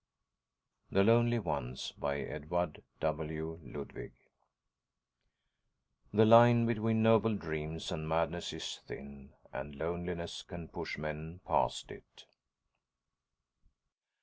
The Lonely Ones By Edward W. Ludwig Illustrated by PAUL ORBAN _The line between noble dreams and madness is thin, and loneliness can push men past it....